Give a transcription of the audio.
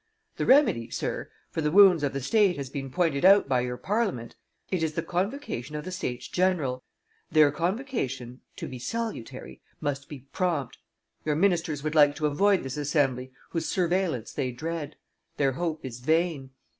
The remedy, sir, for the wounds of the state has been pointed out by your Parliament: it is the convocation of the Statesgeneral. Their convocation, to be salutary, must be prompt. Your ministers would like to avoid this assembly whose surveillance they dread. Their hope is vain.